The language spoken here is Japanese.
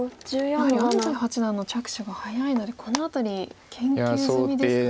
やはり安斎八段の着手が早いのでこのあたり研究済みですか。